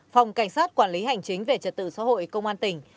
phòng cảnh sát quản lý hành chính về trật tự xã hội công an tỉnh